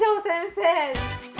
先生。